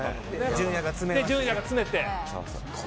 純也が詰めて。